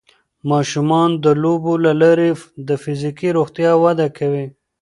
ماشومان د لوبو له لارې د فزیکي روغتیا وده کوي.